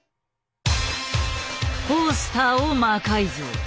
トースターを魔改造。